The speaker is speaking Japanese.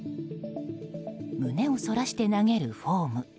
胸をそらして投げるフォーム。